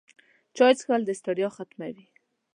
چای څښل د ستړیا ختموي